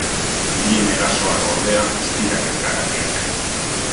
Bien erasoak, ordea, ez dira kezkagarriak.